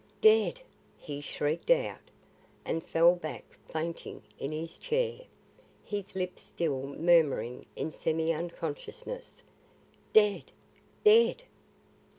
"Dead!" he shrieked out, and fell back fainting in his chair, his lips still murmuring in semi unconsciousness, "Dead! dead!"